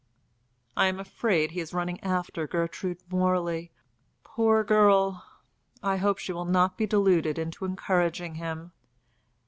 "I am afraid he is running after Gertrude Morley! Poor girl! I hope she will not be deluded into encouraging him."